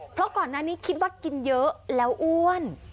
เพราะก่อนหน้านี้คิดว่ากินเยอะแล้วอ้วน